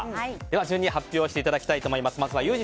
順に発表していただきたいと思います。